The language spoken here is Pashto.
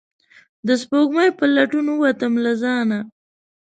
د سپوږمۍ په لټون ووتم له ځانه